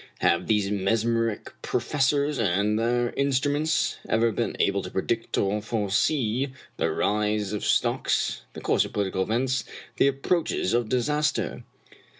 Have these mesmeric professors and th'iir instru ments ever been able to predict or foresee the rise of 34 Fitzjames O'Brien stocks, the course of political events, the approaches of disaster?